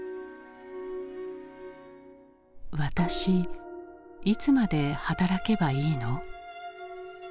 「私いつまで働けばいいの？」。